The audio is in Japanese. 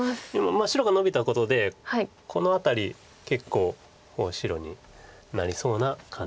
白がノビたことでこの辺り結構白になりそうな感じ。